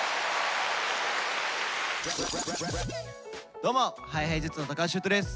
どうもＨｉＨｉＪｅｔｓの橋優斗です。